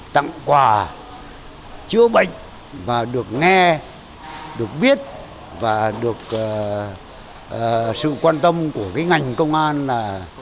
tặng quà chữa bệnh và được nghe được biết và được sự quan tâm của cái ngành công an là